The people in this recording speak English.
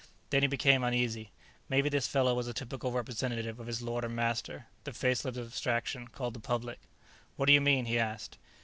Then he became uneasy. Maybe this fellow was a typical representative of his lord and master, the faceless abstraction called the Public. "What do you mean?" he asked.